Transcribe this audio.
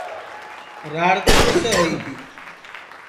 کہ راڑ تو تیسے ہوئی تی